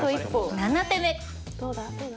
７手目。